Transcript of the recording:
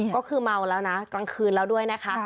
ก็คือเมาแล้วนะกลางคืนแล้วด้วยนะคะ